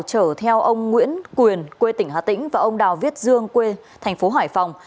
chở theo ông nguyễn quyền quê tỉnh hà tĩnh và ông đào viết dương quê thành phố hải phòng